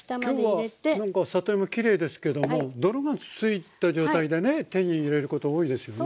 今日はなんか里芋きれいですけども泥がついた状態でね手に入れること多いですよね。